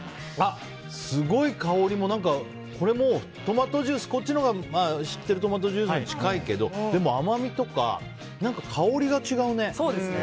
すごい香りもトマトジュースこっちのほうが、知ってるトマトジュースに近いけど甘みとか香りが違うね。